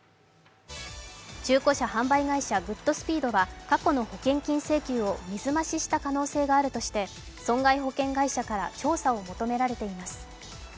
中古車販売会社、グッドスピードは過去の保険金請求を水増しした可能性があるとして損害保険会社から調査を求められています。